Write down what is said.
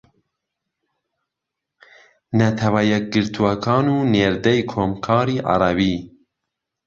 نەتەوە یەکگرتووەکان و نێردەی کۆمکاری عەرەبی